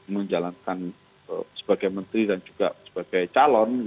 menjalankan sebagai menteri dan juga sebagai calon